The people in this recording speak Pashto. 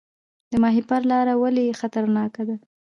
د ماهیپر لاره ولې خطرناکه ده؟